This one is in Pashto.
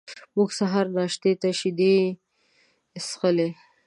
موږ سهار ناشتې ته شیدې څښلې.